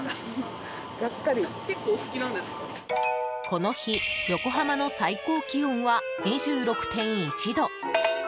この日、横浜の最高気温は２６．１度。